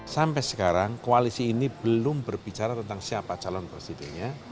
sampai sekarang koalisi ini belum berbicara tentang siapa calon presidennya